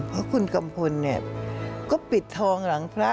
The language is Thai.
เพราะคุณกัมพลเนี่ยก็ปิดทองหลังพระ